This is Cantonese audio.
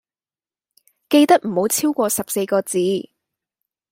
記得唔好超個十四個字